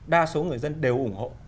đa số người dân đều ủng hộ